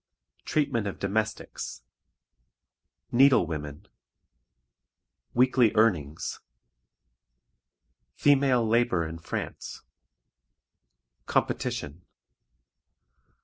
Treatment of Domestics. Needlewomen. Weekly Earnings. Female Labor in France. Competition.